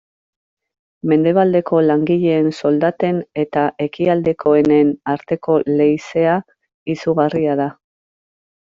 Mendebaldeko langileen soldaten eta ekialdekoenen arteko leizea izugarria da.